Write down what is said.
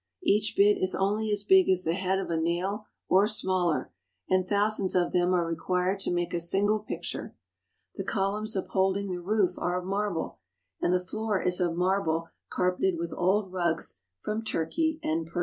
Each bit is only as big as the head of a nail, or smaller, and thousands of them are required to make a single picture. The columns upholding the roof are of marble, and the floor is of marble carpeted with old rugs from Turkey and Persia.